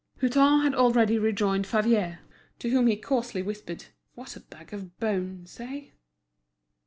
Hutin had already rejoined Favier, to whom he coarsely whispered: "What a bag of bones—eh?"